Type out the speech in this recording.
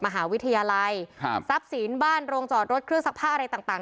มหาวิทยาลัยครับทรัพย์สินบ้านโรงจอดรถเครื่องซักผ้าอะไรต่างต่าง